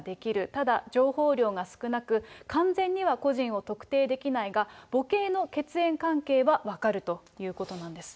ただ情報量が少なく、完全には個人を特定できないが、母系の血縁関係は分かるということなんです。